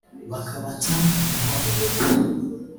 bakabata mu mihanda